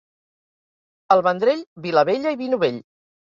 El Vendrell, vila vella i vi novell.